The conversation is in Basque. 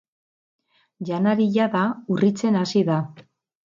Janari jada urritzen hasi da.